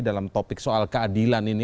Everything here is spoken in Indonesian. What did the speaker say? dalam topik soal keadilan ini